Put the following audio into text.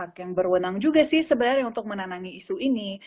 pihak yang berwenang juga sih sebenarnya untuk menanangi isu ini